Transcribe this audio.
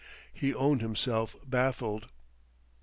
He owned himself baffled.